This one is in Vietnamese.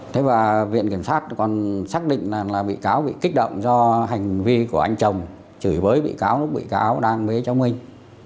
thế và viện kiểm sát còn xác định là bị cáo bị kích động do hành vi của anh chồng chửi với bị cáo lúc bị cáo đang bế cháu minh